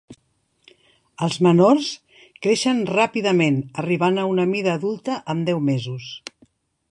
Els menors creixen ràpidament arribant a una mida adulta en deu mesos.